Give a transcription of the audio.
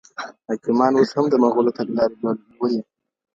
حاکمان اوس هم د مغولو تګلاري لولي.